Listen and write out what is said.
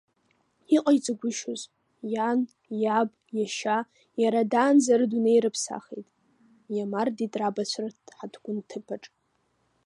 Иҟаиҵагәышьоз, иан, иаб, иашьа, иара даанӡа рыдунеи рыԥсахит, иамардеит рабацәа рҳаҭгәын ҭыԥаҿ.